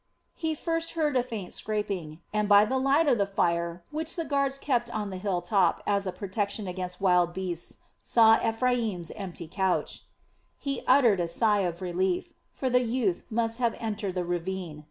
He first heard a faint scraping and, by the light of the fire which the guards kept on the hill top as a protection against wild beasts, he saw Ephraim's empty couch. He uttered a sigh of relief; for the youth must have entered the ravine.